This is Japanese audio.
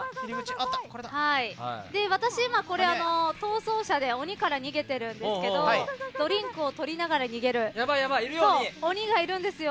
私、今逃走者で鬼から逃げているんですけどドリンクを取りながら逃げる鬼がいるんですよ。